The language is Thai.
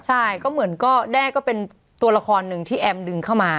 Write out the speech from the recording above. ใช่ก็เหมือนก็แด้ก็เป็นตัวละครหนึ่งที่แอมดึงเข้ามา